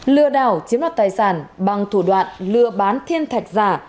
lừa đảo chiếm đoạt tài sản bằng thủ đoạn lừa bán thiên thạch giả